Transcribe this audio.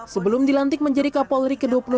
sebelum dilantik menjadi kapolri ke dua puluh tiga